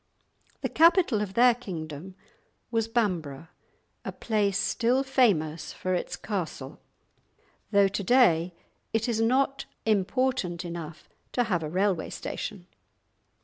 The capital of their kingdom was Bamburgh, a place still famous for its castle, though to day it is not important enough to have a railway station!